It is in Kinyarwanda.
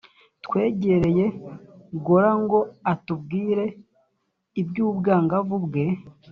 twegereye golla ngo atubwire iby’ubwangavu bwe